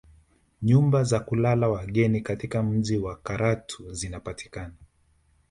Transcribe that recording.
Nyumba za kulala wageni katika mji wa Karatu zinapatikana